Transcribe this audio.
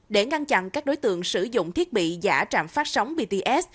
để ngăn chặn các đối tượng sử dụng thiết bị giả trạm phát sóng bts